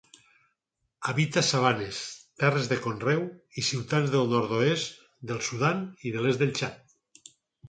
Habita sabanes, terres de conreu i ciutats del nord-oest del Sudan i l'est de Txad.